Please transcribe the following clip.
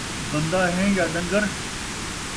بندہ ہیں یا ݙنگر